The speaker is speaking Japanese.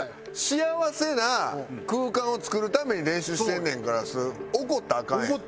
幸せな空間を作るために練習してんねんから怒ったらアカンやん。